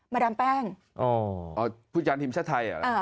มาดามแป้งอ๋อพุทธยานทีมชาติไทยเหรออ่า